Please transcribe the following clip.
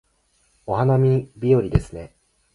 お花見日和ですね